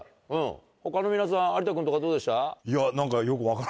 他の皆さん有田君とかどうでした？